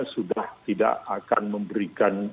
sudah tidak akan memberikan